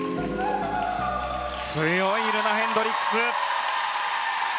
強いルナ・ヘンドリックス。